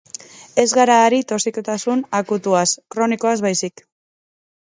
Ez gara ari toxikotasun akutuaz, kronikoaz baizik.